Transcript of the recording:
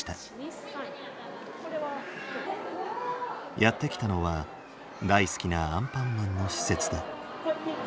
やって来たのは大好きなアンパンマンの施設だ。